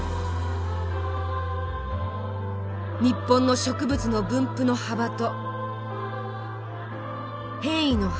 日本の植物の分布の幅と変異の幅。